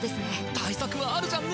対策はあるじゃんね。